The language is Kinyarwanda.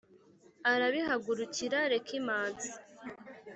arabihagurukira rekimansi